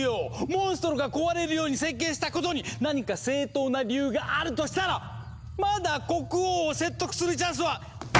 モンストロが壊れるように設計したことに何か正当な理由があるとしたらまだ国王を説得するチャンスは！